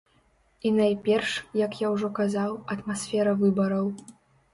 І найперш, як я ўжо казаў, атмасфера выбараў.